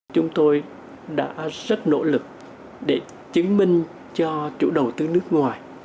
chúng tôi đã rất nỗ lực để chứng minh cho chủ đồng